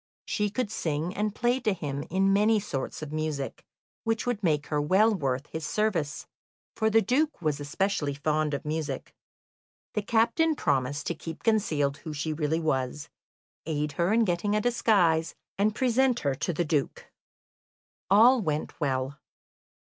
She could sing and play to him in many sorts of music, which would make her well worth his service, for the Duke was especially fond of music. The captain promised to keep concealed who she really was, aid her in getting a disguise, and present her to the Duke. All went well.